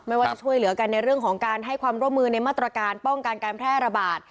ไม่ว่าจะช่วยเหลือกันในเรื่องของการให้ความร่วมมือในมาตรการป้องกันการแพร่ระบาด